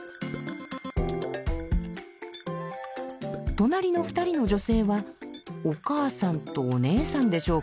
隣の２人の女性はお母さんとお姉さんでしょうか？